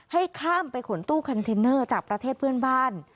ให้ข้ามไปขนตู้คอนเทนเนอร์จากประเทศเพื่อนบ้าน